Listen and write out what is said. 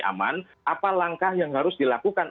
aman apa langkah yang harus dilakukan